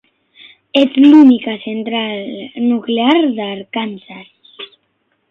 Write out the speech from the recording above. És l'única central nuclear d'Arkansas.